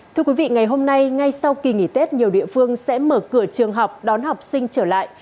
thưa quý vị ngày hôm nay ngay sau kỳ nghỉ tết nhiều địa phương sẽ mở cửa trường học đón học sinh trở lại